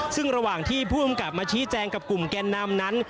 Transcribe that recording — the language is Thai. ซึ่งระหว่างที่ผู้กำกับมาชี้แจงกับกลุ่มแกนนำนั้น